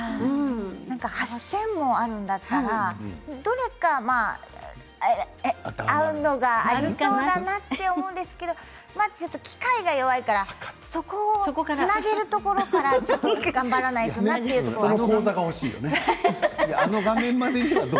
８０００もあるんだったら、どれか合うのがありそうだなと思うんですけどまず機械が弱いからそこをつなげるところからちょっと頑張らないとなということがありますね。